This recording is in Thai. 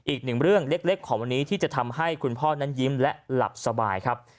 อีกหนึ่งเรื่องเล็กของวันนี้ที่จะทำให้คุณพ่อนั้นยิ้มและหลับสบายครับ